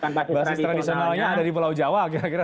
basis tradisionalnya ada di pulau jawa kira kira